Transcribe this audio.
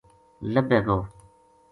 لبھے گو